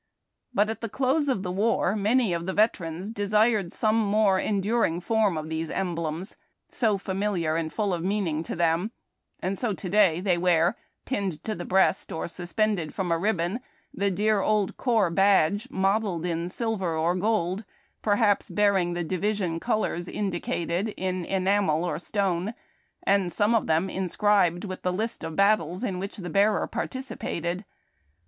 But at the close of the war many of the veterans desired some more enduring form of these emblems, so familiar and full of meaning to them, and so to day they wear pinned to the breast or suspended from a ribbon the dear old corps badge, modelled in silver or gold, perhaps bearing the division colors indicated, in enamel or stone, and some of them inscribed with the list of battles in which the bearer participated.